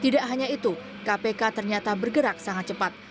tidak hanya itu kpk ternyata bergerak sangat cepat